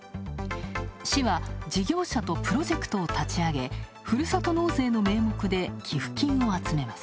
市は事業者とプロジェクトを立ち上げふるさと納税の名目で寄付金を集めます。